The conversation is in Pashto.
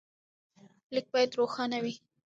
لیک باید روښانه وي.